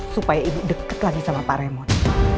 supaya ibu deket lagi sama pak remote